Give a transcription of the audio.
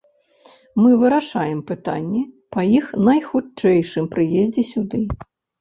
Мы вырашаем пытанне па іх найхутчэйшым прыездзе сюды.